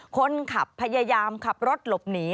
คนขับพยายามขับรถหลบหนี